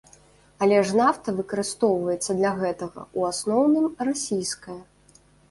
Але ж нафта выкарыстоўваецца для гэтага ў асноўным расійская.